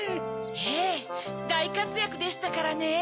ええだいかつやくでしたからね！